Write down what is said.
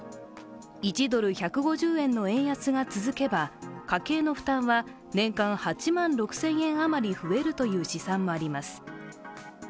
１ドル＝１５０円の円安が続けば、家庭の負担は年間８万６０００円余り増えるという試算もあります。